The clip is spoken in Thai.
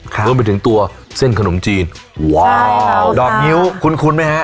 รวมไปถึงตัวเส้นขนมจีนว้าวดอกงิ้วคุ้นไหมฮะ